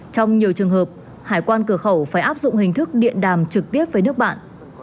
trong nhiều trường hợp hải quan cửa khẩu phải áp dụng hình thức điện đàm trực tiếp với nước bạn